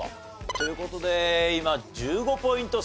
という事で今１５ポイント差ですか。